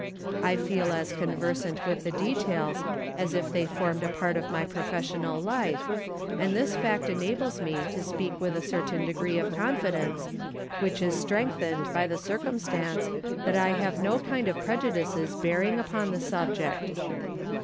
I feel as conversant with the details as if they formed a part of my prof essional life, and this fact enables me to speak with a cer tain degree of confidence, which is strengthened by the circum stance that I have no kind of prejudices bearing upon the subject.